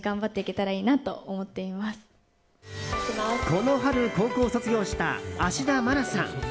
この春、高校を卒業した芦田愛菜さん。